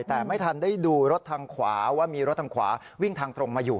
แต่ไม่ทันได้ดูรถทางขวาว่ามีรถทางขวาวิ่งทางตรงมาอยู่